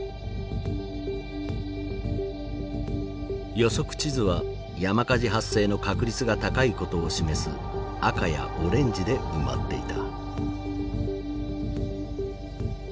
予測地図は山火事発生の確率が高いことを示す赤やオレンジで埋まっていた。